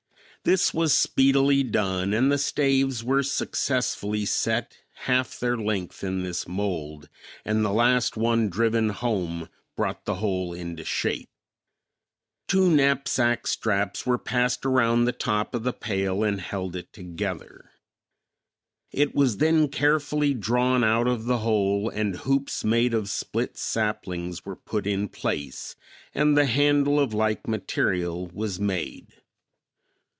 This was speedily done, and the staves were successfully set half their length in this mold, and the last one driven home brought the whole into shape. Two knapsack straps were passed around the top of the pail and held it together. It was then carefully drawn out of the hole and hoops made of split saplings were put in place, and the handle of like material was made.